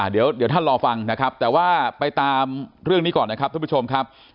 เดี๋ยวท่านรอฟังแต่ว่าไปตามเรื่องนี้ก่อนทุกผู้ชมครับ